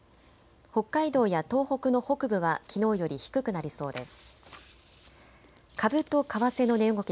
北海道や東北の北部はきのうより低くなりそうです。